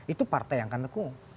itu partai yang akan mendukung